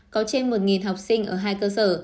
có trên một học sinh ở hai cơ sở